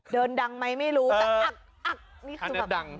เดินดังไหมไม่รู้อักนี่คือแบบ